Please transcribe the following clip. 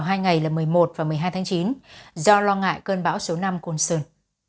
hai ngày là một mươi một và một mươi hai tháng chín do lo ngại cơn bão số năm côn sơn